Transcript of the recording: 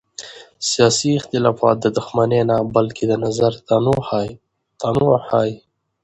سیاسي اختلاف دښمني نه بلکې د نظر تنوع ښيي